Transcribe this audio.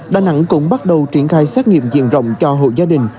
đà nẵng cũng bắt đầu triển khai xét nghiệm diện rộng cho hộ gia đình